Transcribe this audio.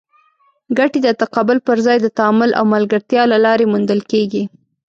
ګټې د تقابل پر ځای د تعامل او ملګرتیا له لارې موندل کېږي.